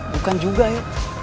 bukan juga yo